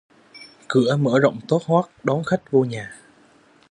Cửa mở rộng toác hoác đón khách vô nhà